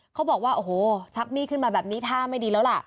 เขาบอกว่าโอ้โหชักมีดขึ้นมาแบบนี้ท่าไม่ดีแล้วล่ะ